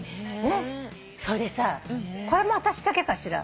それでさこれも私だけかしら。